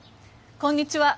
こんにちは。